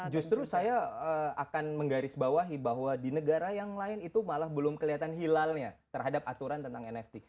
justru saya akan menggarisbawahi bahwa di negara yang lain itu malah belum kelihatan hilalnya terhadap aturan tentang nft